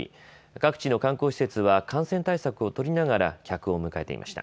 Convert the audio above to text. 各地の観光施設は感染対策を取りながら客を迎えていました。